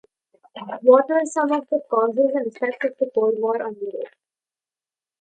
What were some of the cause and effects of the Cold War on Europe